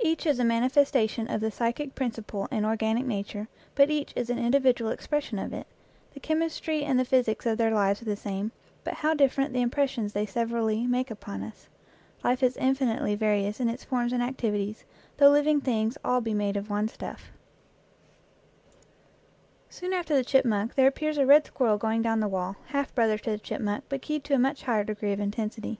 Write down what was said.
Each is a manifestation of the psychic principle in organic nature, but each is an individual expression of it. The chemistry and the physics of their lives are the same, but how different the impressions they severally make upon us ! Life is infinitely vari ous in its forms and activities, though living things all be made of one stuff. 52 EACH AFTER ITS KIND Soon after the chipmunk there appears a red squirrel going down the wall half brother to the chipmunk but keyed to a much higher degree of intensity.